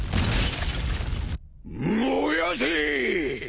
燃やせ！